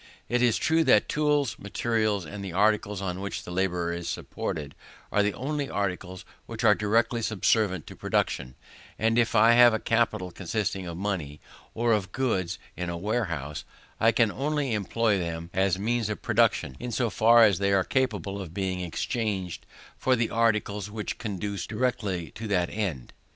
It is true that tools, materials, and the articles on which the labourer is supported, are the only articles which are directly subservient to production: and if I have a capital consisting of money, or of goods in a warehouse, I can only employ them as means of production in so far as they are capable of being exchanged for the articles which conduce directly to that end.